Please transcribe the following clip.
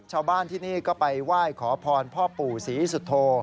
ชาวบ้านที่นี่ก็ไปไหว้ขอพรพ่อปู่ศรีสุโธ